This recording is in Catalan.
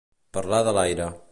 Parlar de l'aire.